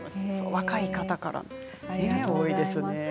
若い方から多いですね。